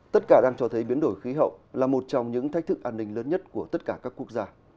tất cả đang cho thấy biến đổi khí hậu là một trong những thách thức an ninh lớn nhất của tất cả các quốc gia